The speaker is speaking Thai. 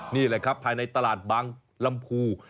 นี่แหละครับภายในตลาดบางลำพู